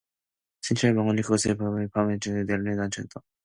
신철이는 멍하니 그들을 바라보며 이 밤을 여기서 지낼 것이 난처하였다.